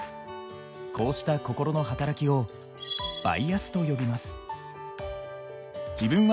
こうした心の働きをバイアスと呼びます。